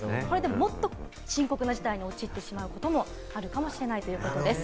もっと深刻な事態に陥ってしまうこともあるかもしれないということです。